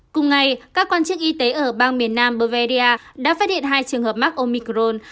cùng ngày các quan chức y tế ở bang miền nam burveria đã phát hiện hai trường hợp mắc omicron